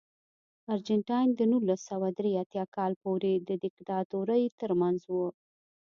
ارجنټاین د نولس سوه درې اتیا کال پورې د دیکتاتورۍ ترمنځ و.